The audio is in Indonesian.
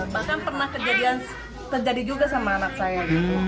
bahkan pernah kejadian terjadi juga sama anak saya